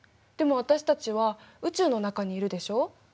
でも私たちは宇宙の中にいるでしょ。